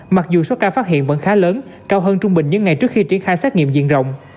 mặc dù số ca phát hiện vẫn khá lớn cao hơn trung bình những ngày trước khi triển khai xét nghiệm diện rộng